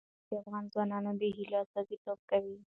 نمک د افغان ځوانانو د هیلو استازیتوب کوي.